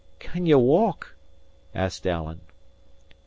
"Can ye walk?" asked Alan.